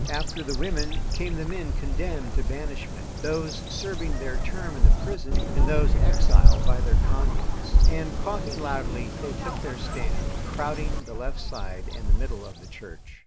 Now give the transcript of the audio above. After the women came the men condemned to banishment, those serving their term in the prison, and those exiled by their Communes; and, coughing loudly, they took their stand, crowding the left side and the middle of the church.